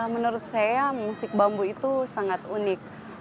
menurut saya musik bambu itu sangat unik